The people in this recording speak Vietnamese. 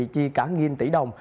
chi cả nghìn tỷ đồng